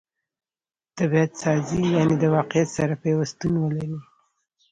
طبعت سازي؛ یعني د واقعیت سره پیوستون ولري.